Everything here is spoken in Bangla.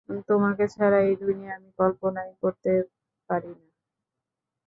তোমাকে ছাড়া এই দুনিয়া আমি কল্পনাই করতে পাই না!